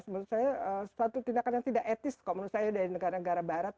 menurut saya satu tindakan yang tidak etis dari negara negara barat